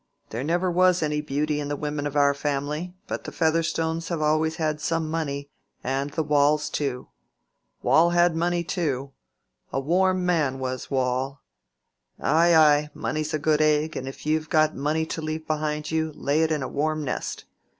There never was any beauty in the women of our family; but the Featherstones have always had some money, and the Waules too. Waule had money too. A warm man was Waule. Ay, ay; money's a good egg; and if you've got money to leave behind you, lay it in a warm nest.